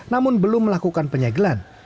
namun belum melakukan penyegelan